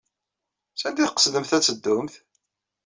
Sanda ay tqesdemt ad teddumt?